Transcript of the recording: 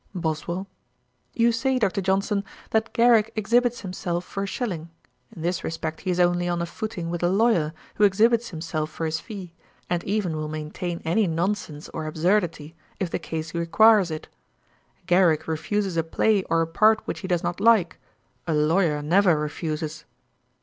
BOSWELL. 'You say, Dr. Johnson, that Garrick exhibits himself for a shilling. In this respect he is only on a footing with a lawyer who exhibits himself for his fee, and even will maintain any nonsense or absurdity, if the case requires it. Garrick refuses a play or a part which he does not like; a lawyer never refuses.'